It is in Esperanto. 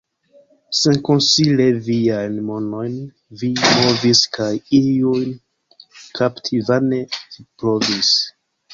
Senkonsile viajn manojn vi movis, kaj iun kapti vane vi provis.